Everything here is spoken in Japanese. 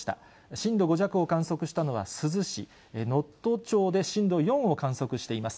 震度５弱を観測したのは珠洲市、能登町で震度４を観測しています。